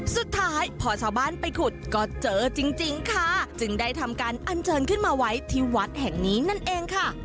สุดท้ายพอชาวบ้านไปขุดก็เจอจริงค่ะจึงได้ทำการอันเชิญขึ้นมาไว้ที่วัดแห่งนี้นั่นเองค่ะ